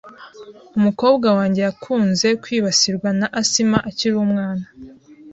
Umukobwa wanjye yakunze kwibasirwa na asima akiri umwana .